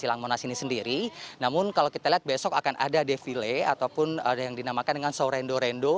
silang monas ini sendiri namun kalau kita lihat besok akan ada defile ataupun ada yang dinamakan dengan sorendo rendo